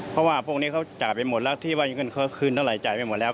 เพราะว่าพวกนี้เขาจ่ายไปหมดแล้วที่ว่าเงินเขาคืนเท่าไหจ่ายไปหมดแล้ว